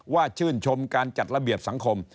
ชื่นชมการจัดระเบียบสังคม